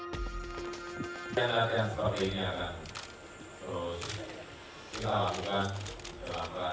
terus kita lakukan